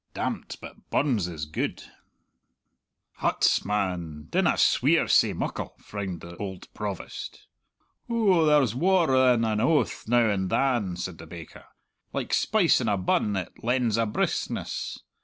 Dam't, but Burns is gude." "Huts, man, dinna sweer sae muckle!" frowned the old Provost. "Ou, there's waur than an oath now and than," said the baker. "Like spice in a bun it lends a briskness.